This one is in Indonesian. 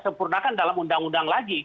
sempurnakan dalam undang undang lagi